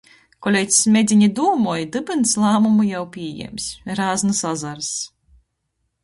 Koleidz smedzinis dūmoj, dybyns lāmumu jau pījiems... Rāznys azars.